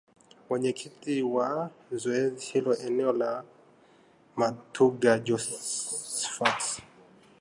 Mwenyekiti wa zoezi hilo eneo la Matuga Josphat